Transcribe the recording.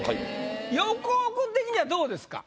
横尾君的にはどうですか？